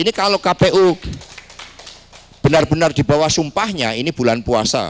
ini kalau kpu benar benar dibawa sumpahnya ini bulan puasa